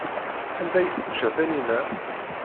Anda ay tečča Taninna?